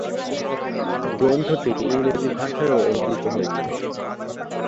গ্রন্থটি ইংরেজি ভাষায়ও অনূদিত হয়েছে।